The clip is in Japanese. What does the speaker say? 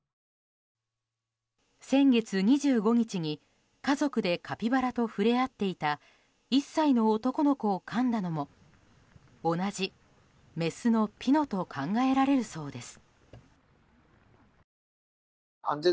先月２５日に家族でカピバラと触れ合っていた１歳の男の子をかんだのも同じメスのピノと考えられるそうです。